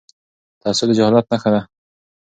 تعصب د جهالت نښه ده..